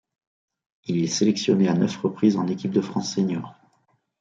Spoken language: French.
Il est sélectionné à neuf reprises en équipe de France Seniors.